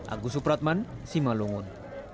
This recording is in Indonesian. agus supratman simalungun